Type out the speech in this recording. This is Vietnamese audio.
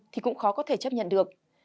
thì cũng khó có thể chấp nhận được